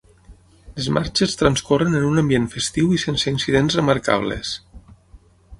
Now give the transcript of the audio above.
Les marxes transcorren en un ambient festiu i sense incidents remarcables.